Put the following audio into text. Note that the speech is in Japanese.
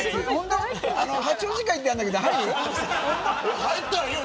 八王子会ってあるんだけど入る。